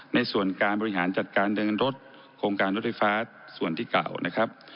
ในส่วนการบริหารจัดการเดินรถโครงการรถไฟฟ้าส่วนที่เก่านะครับ